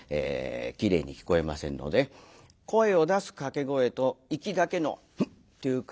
きれいに聞こえませんので声を出す掛け声とイキだけの「ん！」っていう声。